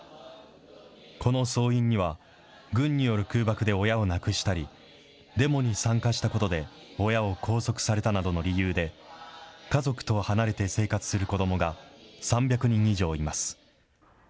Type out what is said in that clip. この僧院には、軍による空爆で親を亡くしたり、デモに参加したことで、親を拘束されたなどの理由で、家族と離れて生活する子どもが３００人以上います。